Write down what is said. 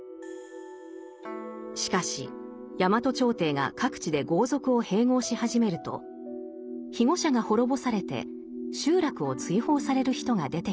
しかし大和朝廷が各地で豪族を併合し始めると庇護者が滅ぼされて集落を追放される人が出てきます。